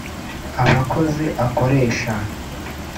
abakozi akoresha